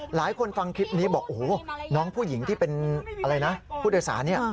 หลายคนฟังคลิปนี้บอกโอ้โฮน้องผู้หญิงที่เป็นผู้โดยสาวนี้